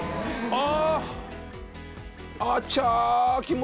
あ。